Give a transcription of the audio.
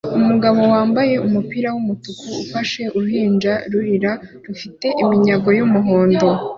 Umugabo wambaye umupira wumutuku ufashe uruhinja rurira rufite iminyago yumuhondo